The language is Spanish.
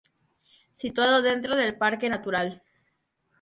Situado dentro del parque Natural.